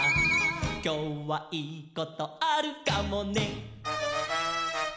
「きょうはいいことあるかもね」